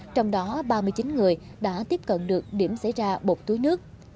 trong đó ba mươi chín người đã tiếp cận được điểm xảy ra bột túi nước